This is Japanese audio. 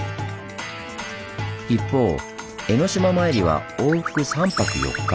一方江の島参りは往復３泊４日。